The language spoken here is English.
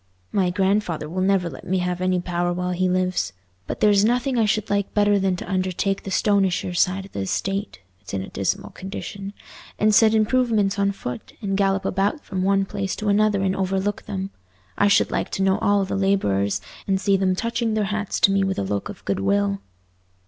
My grandfather will never let me have any power while he lives, but there's nothing I should like better than to undertake the Stonyshire side of the estate—it's in a dismal condition—and set improvements on foot, and gallop about from one place to another and overlook them. I should like to know all the labourers, and see them touching their hats to me with a look of goodwill."